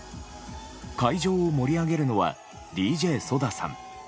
会場を盛り上げるのはＤＪＳＯＤＡさん。